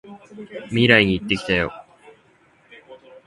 未来に行ってきたよ！